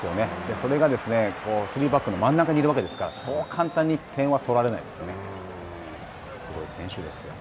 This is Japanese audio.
それが、スリーバックの真ん中にいるわけですから、そう簡単に点は取られないですよね。